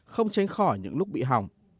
không tránh khỏi những lúc bị hỏng